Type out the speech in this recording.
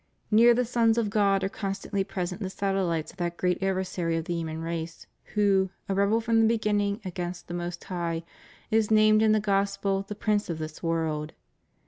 Near the sons of God are constantly present the satellites of that great adversary of the human race, who, a rebel from the beginning against the Most High, is named in the Gospel the prince of this world.